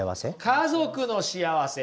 家族の幸せ！